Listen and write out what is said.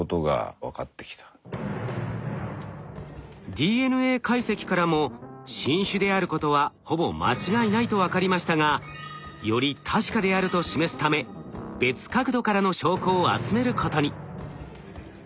ＤＮＡ解析からも新種であることはほぼ間違いないと分かりましたがより確かであると示すため別角度からの証拠を集めることに。